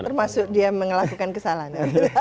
termasuk dia melakukan kesalahan